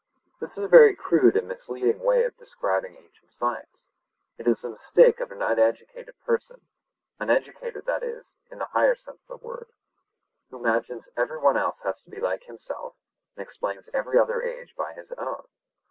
This is a very crude and misleading way of describing ancient science. It is the mistake of an uneducated person—uneducated, that is, in the higher sense of the word—who imagines every one else to be like himself and explains every other age by his own.